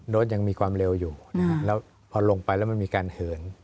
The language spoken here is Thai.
รถยังมีความเร็วอยู่แล้วพอลงไปแล้วมันมีการเหิน